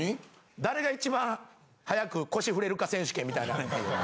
誰が一番速く腰振れるか選手権みたいなん。